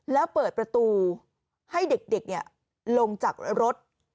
แล้วเปิดประตูให้เด็กลงจากรถ